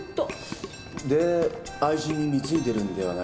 で愛人に貢いでるんではないかと。